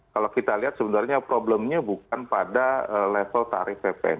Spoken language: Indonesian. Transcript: kalau kita lihat sebenarnya problemnya bukan pada level tarif ppn